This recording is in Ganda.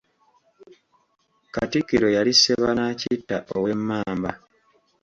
Katikkiro yali Sebanaakitta ow'Emmamba.